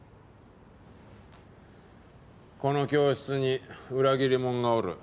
この教室に裏切りもんがおる。